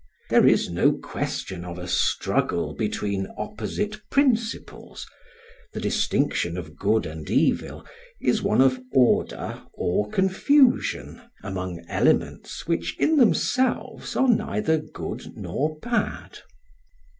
There is no question of a struggle between opposite principles; the distinction of good and evil is one of order or confusion, among elements which in themselves are neither good nor bad.